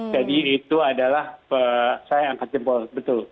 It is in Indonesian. jadi itu adalah saya angkat jempol betul